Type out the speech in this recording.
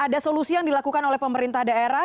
ada solusi yang dilakukan oleh pemerintah daerah